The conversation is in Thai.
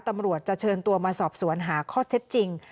ตำรวจจะเชิญตัวมาสอบสวนหาข้อเท็จจริง